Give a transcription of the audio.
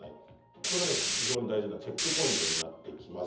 これが非常に大事なチェックポイントになってきます。